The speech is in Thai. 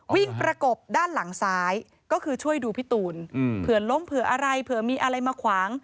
ประกบด้านหลังซ้ายก็คือช่วยดูพี่ตูนเผื่อล้มเผื่ออะไรเผื่อมีอะไรมาขวาง